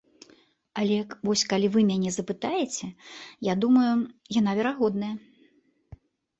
Але вось калі вы мяне запытаеце, я думаю, яна верагодная.